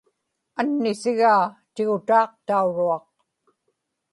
annisiġaa tigutaaqtauruaq